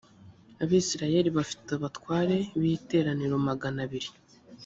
abisirayeli bafite abatware b’iteraniro magana abiri